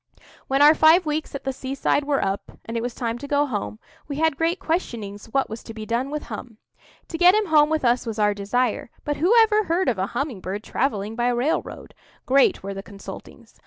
When our five weeks at the seaside were up, and it was time to go home, we had great questionings what was to be done with Hum. To get him home with us was our desire; but who ever heard of a humming bird travelling by railroad? Great were the consultings.